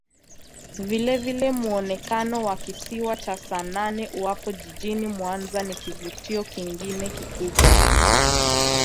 Vilevile muonekano wa Kisiwa cha Saanane uwapo jijini Mwanza ni kivutio kingine kikubwa